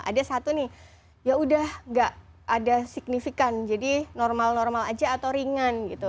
ada satu nih ya udah gak ada signifikan jadi normal normal aja atau ringan gitu